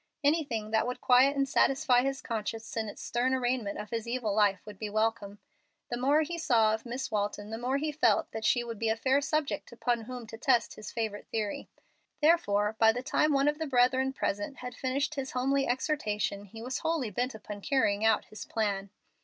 Anything that would quiet and satisfy his conscience in its stern arraignment of his evil life would be welcome. The more he saw of Miss Walton the more he felt that she would be a fair subject upon whom to test his favorite theory. Therefore, by the time one of the brethren present had finished his homely exhortation he was wholly bent upon carrying out his plan.